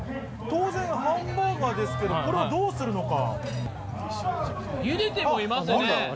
当然ハンバーガーですけれど、これをどうするのか？